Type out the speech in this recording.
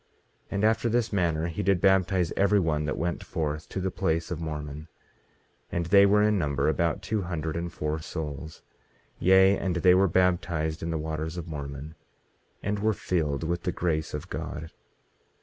18:16 And after this manner he did baptize every one that went forth to the place of Mormon; and they were in number about two hundred and four souls; yea, and they were baptized in the waters of Mormon, and were filled with the grace of God.